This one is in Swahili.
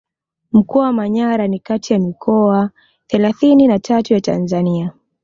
Mkoa wa Manyara ni kati ya mikoa thelathini na tatu ya Tanzania